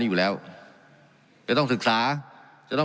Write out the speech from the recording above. การปรับปรุงทางพื้นฐานสนามบิน